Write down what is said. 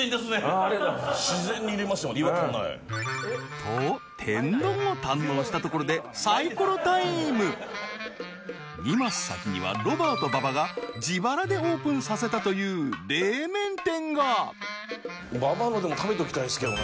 と天丼を堪能したところでサイコロタイム２マス先にはロバート馬場が自腹でオープンさせたという冷麺店が馬場の食べときたいですけどね。